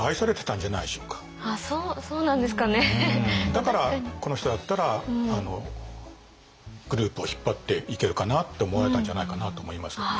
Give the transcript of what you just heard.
だからこの人だったらグループを引っ張っていけるかなって思われたんじゃないかなと思いますけどね。